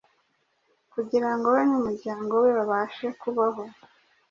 kugira ngo we n’umuryango we babashe kubaho.